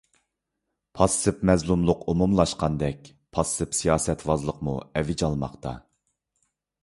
پاسسىپ مەزلۇملۇق ئومۇملاشقاندەك، پاسسىپ سىياسەتۋازلىقمۇ ئەۋج ئالماقتا.